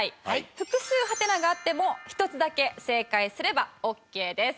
複数ハテナがあっても一つだけ正解すればオッケーです。